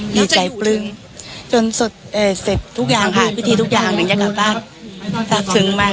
ดีใจปลึ้งจนสุดเอ่ยเสร็จทุกอย่างค่ะพิธีทุกอย่างอย่างเงี้ยทรัพย์ซึ่งมาก